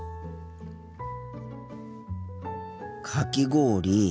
かき氷。